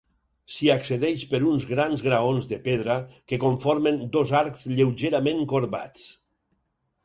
S'hi accedeix per uns grans graons de pedra que conformen dos arcs lleugerament corbats.